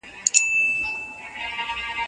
موږ به د راتلونکي حکومت کړنې په ځيرکتيا وڅارو.